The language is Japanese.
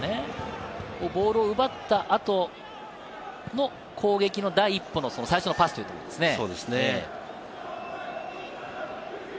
ボールを奪った後の攻撃の第一歩の最初のパスということですね。